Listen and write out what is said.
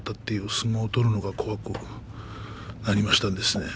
相撲が怖くなりましたんですね。